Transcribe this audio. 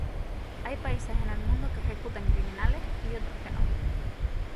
Hay países en el mundo que ejecutan criminales y otros que no.